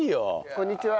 こんにちは。